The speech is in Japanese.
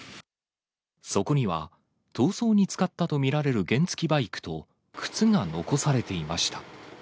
そこには、逃走に使ったと見られる原付バイクと靴が残されていました。